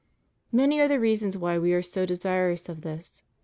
Many are the reasons why We are so desirous of this.